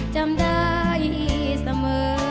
จำได้เสมอ